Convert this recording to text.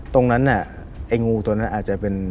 ตรงนั้นน่ะไอ้งูตัวนั้นอาจจะเป็น